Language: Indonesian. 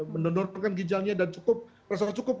menonorkan ginjalnya dan cukup